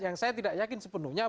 yang saya tidak yakin sepenuhnya